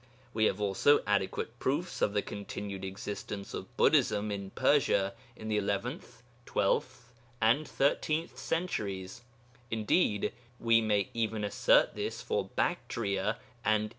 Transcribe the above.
We have also adequate proofs of the continued existence of Buddhism in Persia in the eleventh, twelfth, and thirteenth centuries; indeed, we may even assert this for Bactria and E.